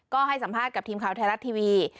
ก็ให้สัมภาษณ์กับทีมข่าวไทยรัฐทีวี